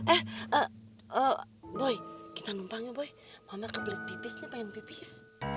eh eh eh boy kita numpang ya boy mama kebelet pipisnya pengen pipis